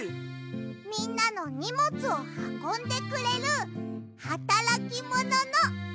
みんなのにもつをはこんでくれるはたらきもののクシャさん！